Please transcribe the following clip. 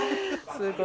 すごい。